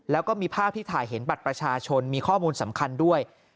แล้วก็มีภาพที่ถ่ายเห็นบัตรประชาชนมีข้อมูลสำคัญด้วย